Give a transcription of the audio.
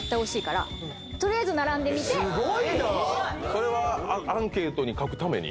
それはアンケートに書くために？